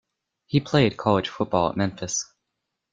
He played college football at Memphis.